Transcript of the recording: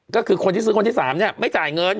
ก็คือคนที่ซื้อคนที่๓เนี่ยไม่จ่ายเงิน